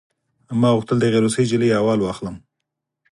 ما غوښتل د هغې روسۍ نجلۍ احوال واخلم